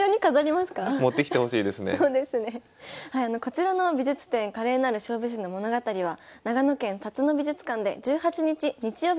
こちらの美術展「華麗なる勝負師の物語」は長野県辰野美術館で１８日日曜日まで開催されています。